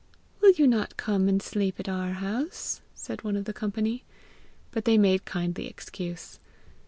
"Will you not come and sleep at our house?" said one of the company. But they made kindly excuse.